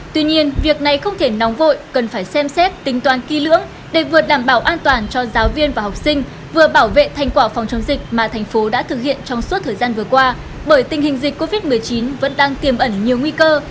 tuy nhiên việc này không thể nóng vội cần phải xem xét tính toán kỹ lưỡng để vừa đảm bảo an toàn cho giáo viên và học sinh vừa bảo vệ thành quả phòng chống dịch mà thành phố đã thực hiện trong suốt thời gian vừa qua bởi tình hình dịch covid một mươi chín vẫn đang tiềm ẩn nhiều nguy cơ